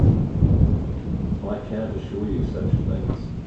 I can't assure you such things.